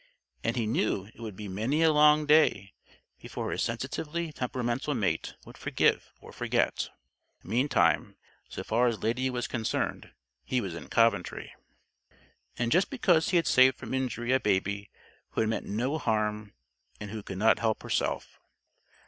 And he knew it would be many a long day before his sensitively temperamental mate would forgive or forget. Meantime, so far as Lady was concerned, he was in Coventry. And just because he had saved from injury a Baby who had meant no harm and who could not help herself!